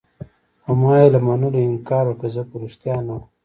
خو ما يې له منلو انکار وکړ، ځکه ريښتیا نه وو.